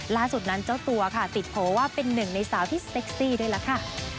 ล่าสุดนั้นเจ้าตัวค่ะติดโผล่ว่าเป็นหนึ่งในสาวที่เซ็กซี่ด้วยล่ะค่ะ